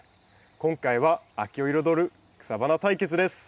今回は秋を彩る草花対決です。